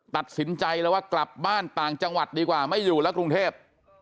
ตัดสินใจแล้วว่ากลับบ้านต่างจังหวัดดีกว่าไม่อยู่แล้วกรุงเทพ